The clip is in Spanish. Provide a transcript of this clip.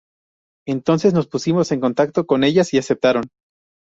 Entonces nos pusimos en contacto con ellas y aceptaron".